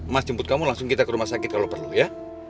mas jemput kamu langsung kita ke rumah sakit kalau perlu ya